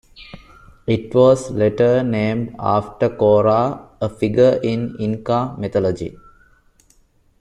It was later named after Cora, a figure in Inca mythology.